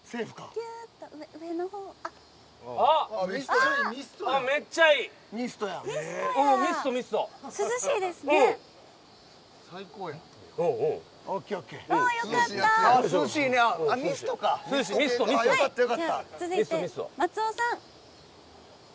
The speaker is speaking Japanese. じゃあ、続いて松尾さん。